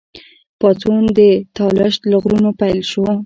پاڅون د طالش له غرونو پیل شو.